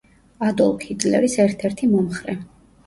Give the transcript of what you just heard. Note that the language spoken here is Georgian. ადოლფ ჰიტლერის ერთ-ერთი მომხრე.